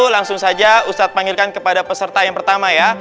langsung saja ustadz panggilkan kepada peserta yang pertama ya